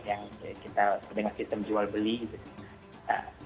yang kita sedangkan sistem jual beli gitu